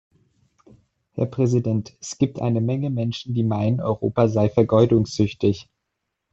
Herr Präsident! Es gibt eine Menge Menschen, die meinen, Europa sei vergeudungssüchtig.